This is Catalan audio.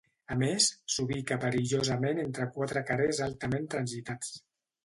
A més, s'ubica perillosament entre quatre carrers altament transitats.